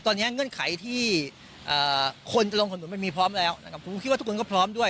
ตอนนี้เงื่อนไขที่คนจะลงถนนมันมีพร้อมแล้วนะครับผมคิดว่าทุกคนก็พร้อมด้วย